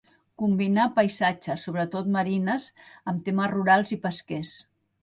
Combinà paisatges, sobretot marines, amb temes rurals i pesquers.